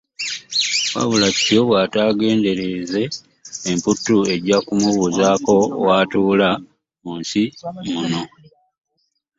Wabula kityo bwategendereza empuutu ejja kumubuuza watuula mu nsi muno.